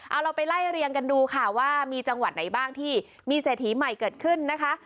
เอาเราไปไล่เรียงกันดูค่ะว่ามีจังหวัดไหนบ้างที่มีเศรษฐีใหม่เกิดขึ้นนะคะ